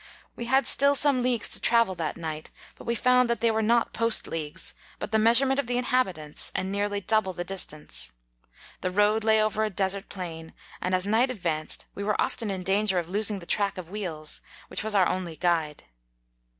We had still some leagues to travel that night, but we found that they were not post leagues, but the measurement of the inhabitants, and nearly double the distance. The road lay over a desart plain, and as night advanced we were often in danger of losing the track of 21 wheels, which was our only guide.